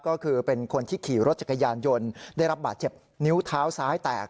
ก็คือเป็นคนที่ขี่รถจักรยานยนต์ได้รับบาดเจ็บนิ้วเท้าซ้ายแตก